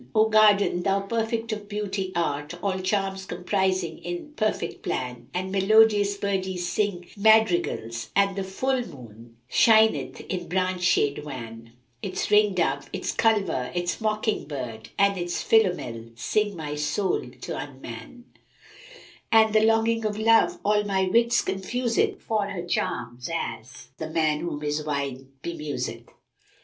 O Garden, thou perfect of beauty art * All charms comprising in perfect plan; And melodious birdies sing madrigals * And the Full Moon[FN#309] shineth in branchshade wan; Its ring dove, its culver, its mocking bird * And its Philomel sing my soul t' unman; And the longing of love all my wits confuseth * For her charms, as the man whom his wine bemuseth."